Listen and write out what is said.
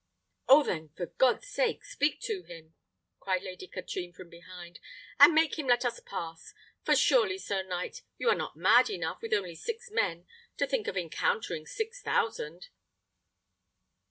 "Oh, then, for God's sake! speak to him," cried Lady Katrine from behind, "and make him let us pass; for surely, sir knight, you are not mad enough, with only six men, to think of encountering six thousand?"